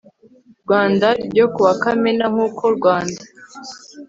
Rwanda ryo kuwa Kamena nk uko Rwanda